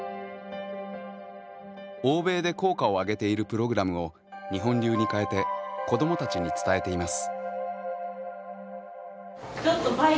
欧米で効果を上げているプログラムを日本流に変えて子どもたちに伝えています。